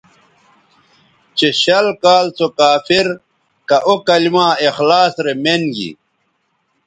چہ شل کال سو کافر کہ او کلما اخلاص رے مین گی